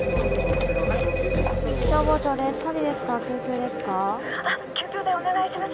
☎消防庁です。